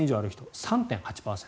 今、３．８％。